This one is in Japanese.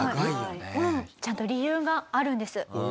ちゃんと理由があるんです。